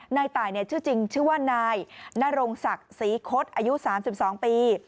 นายตายชื่อจริงชื่อว่านายนรงศักดิ์ศรีคดอายุ๓๒ปี